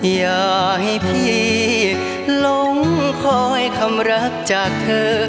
อยากให้พี่หลงคอยคำรักจากเธอ